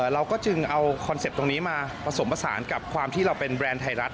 เราก็จึงเอาคอนเซ็ปต์ตรงนี้มาผสมผสานกับความที่เราเป็นแบรนด์ไทยรัฐ